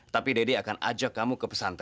tapi deddy akan ajak kamu ke pesantren